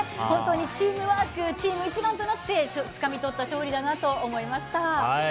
本当にチークワークチーム一丸となってつかみ取った勝利だなと思いました。